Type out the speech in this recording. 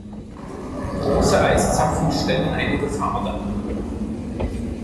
Große Eiszapfen stellen eine Gefahr dar.